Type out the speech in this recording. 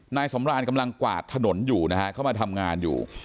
นายสำรานกำลังกวาดถนนอยู่นะฮะเข้ามาทำงานอยู่